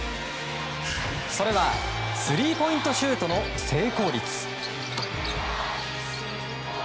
それはスリーポイントシュートの成功率。